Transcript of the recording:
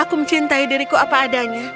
aku mencintai diriku apa adanya